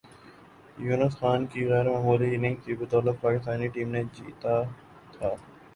یونس خان کی غیر معمولی اننگز کی بدولت پاکستانی ٹیم نے جیتا تھا